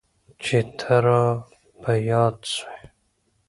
چي ته را په ياد سوې.